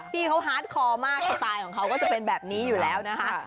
พี่เขาฮาร์ดคอมากสไตล์ของเขาก็จะเป็นแบบนี้อยู่แล้วนะคะ